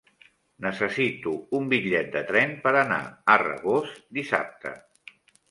Necessito un bitllet de tren per anar a Rabós dissabte.